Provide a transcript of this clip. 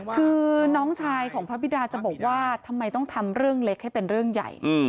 คือน้องชายของพระบิดาจะบอกว่าทำไมต้องทำเรื่องเล็กให้เป็นเรื่องใหญ่